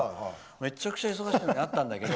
めちゃくちゃ忙しいのに会ったんだけど。